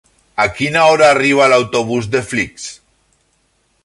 A quina hora arriba l'autobús de Flix?